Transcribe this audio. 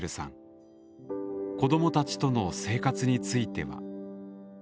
子どもたちとの生活については？